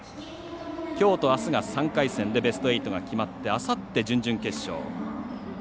きょうと、あすが３回戦でベスト８が決まってあさって、準々決勝。